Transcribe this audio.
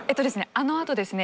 あのあとですね